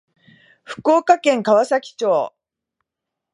福岡県川崎町